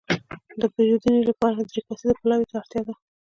د پېرودنې لپاره دری کسیز پلاوي ته اړتياده.